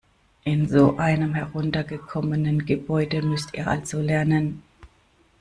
In so einem heruntergekommenen Gebäude müsst ihr also lernen?